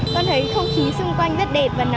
con thấy không khí xung quanh rất đẹp